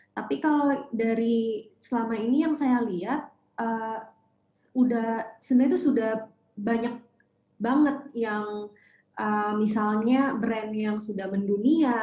tapi kalau dari selama ini yang saya lihat sebenarnya itu sudah banyak banget yang misalnya brand yang sudah mendunia